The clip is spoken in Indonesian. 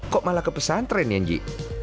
kok malah ke pesantren ya ji